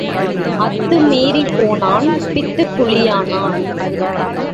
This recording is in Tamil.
அத்து மீறிப் போனான், பித்துக்குளியானான்.